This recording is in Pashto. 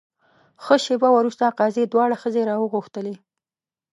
ښه شېبه وروسته قاضي دواړه ښځې راوغوښتلې.